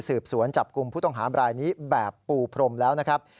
สืบสวนจับกลุ่มผู้ต้องหาบรายนี้แบบปูพรมแล้วนะครับ